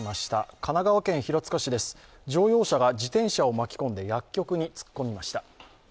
神奈川県平塚市で、乗用車が自転車を巻き込んで薬局に突っ込みました。